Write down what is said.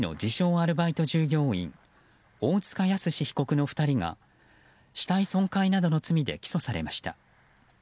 アルバイト従業員大塚泰史被告の２人が死体損壊などの罪で起訴されました。